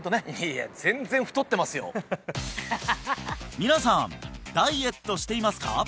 皆さんダイエットしていますか？